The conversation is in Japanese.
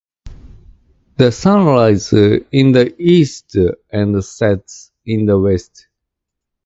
The sun rises in the east and sets in the west.